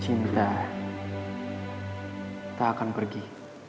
cinta tak akan pergi